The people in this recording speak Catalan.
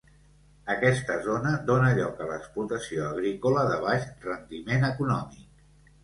Aquesta zona dóna lloc a l'explotació agrícola de baix rendiment econòmic.